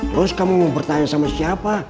terus kamu mau bertanya sama siapa